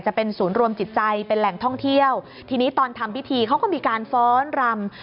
จะเป็นศูนย์รวมจิตใจเป็นแหล่งท่องเที่ยวทีนี้ตอนทำพิธีเขาก็มีการฟ้อนรำ